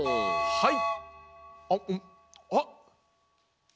はい！